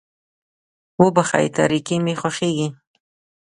وبښئ تاريکي مې خوښېږي.